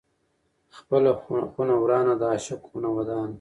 ـ خپله خونه ورانه، د عاشق خونه ودانه.